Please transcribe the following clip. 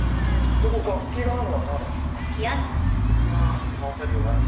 楽器があるのは何なんすか？